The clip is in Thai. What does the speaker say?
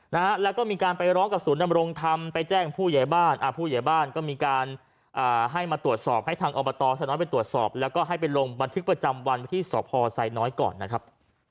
นะฮะแล้วก็มีการไปร้องกับศูนย์นำรงธรรมไปแจ้งผู้ใหญ่บ้านอ่าผู้ใหญ่บ้านก็มีการอ่าให้มาตรวจสอบให้ทางอบตซะน้อยไปตรวจสอบแล้วก็ให้ไปลงบันทึกประจำวันที่สพไซน้อยก่อนนะครับ